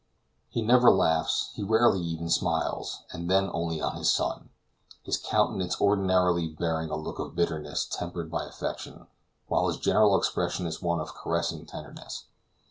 He never laughs; he rarely even smiles, and then only on his son; his countenance ordinarily bearing a look of bitterness tempered by affection, while his general expression is one of caressing tenderness.